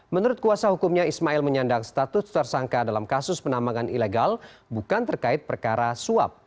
menurut kuasa hukumnya ismail menyandang status tersangka dalam kasus penambangan ilegal bukan terkait perkara suap